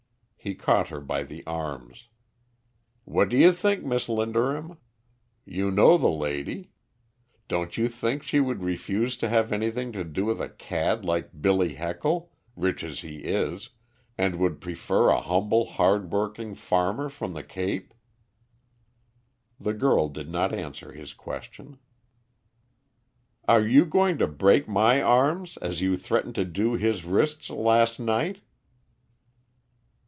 He caught her by the arms. "What do you think, Miss Linderham? You know the lady. Don't you think she would refuse to have anything to do with a cad like Billy Heckle, rich as he is, and would prefer a humble, hard working farmer from the Cape?" The girl did not answer his question. "Are you going to break my arms as you threatened to do his wrists last night?"